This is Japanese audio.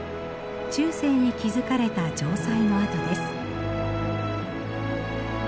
中世に築かれた城塞の跡です。